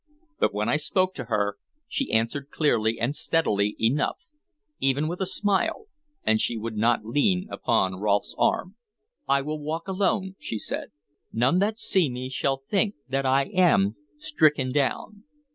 But when I spoke to her she answered clearly and steadily enough, even with a smile, and she would not lean upon Rolfe's arm. "I will walk alone," she said. "None that see me shall think that I am stricken down."